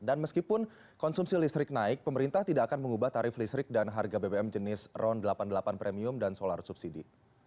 dan meskipun konsumsi listrik naik pemerintah tidak akan mengubah tarif listrik dan harga bbm jenis ron delapan puluh delapan premium dan solar subsidi